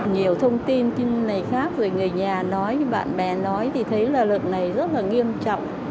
nhiều thông tin như này khác rồi người nhà nói bạn bè nói thì thấy là luật này rất là nghiêm trọng